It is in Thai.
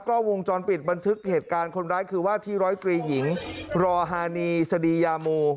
ก็วงจรปิดบันทึกเหตุการณ์คนร้ายคือว่าที่ร้อยตรีหญิงรอฮานีสดียาโม